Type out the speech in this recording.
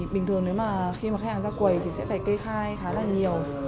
bình thường khi mà khách hàng ra quầy thì sẽ phải kê khai khá là nhiều